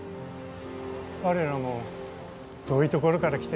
彼らも遠いところから来て